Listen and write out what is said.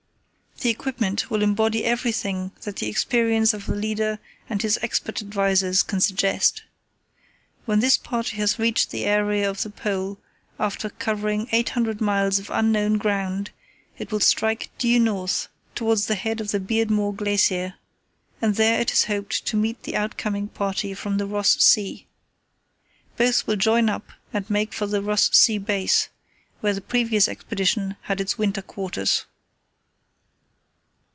The equipment will embody everything that the experience of the leader and his expert advisers can suggest. When this party has reached the area of the Pole, after covering 800 miles of unknown ground, it will strike due north towards the head of the Beardmore Glacier, and there it is hoped to meet the outcoming party from the Ross Sea. Both will join up and make for the Ross Sea base, where the previous Expedition had its winter quarters.